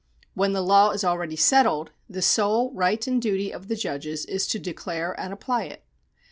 When the law is already settled, the sole right and duty of the judges is to declare and apply it.